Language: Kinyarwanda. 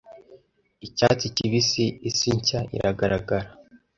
Icyatsi kibisi, isi nshya iragaragara.